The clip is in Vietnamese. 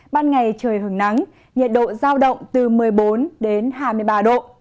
ban ngày trời hưởng nắng nhiệt độ giao động từ một mươi bốn đến hai mươi ba độ